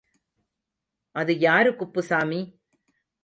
அது யாரு குப்புசாமி?